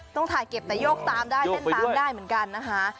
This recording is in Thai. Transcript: ต้องถ่ายเก็บแต่โยกตามได้เส้นตามได้เหมือนกันนะคะ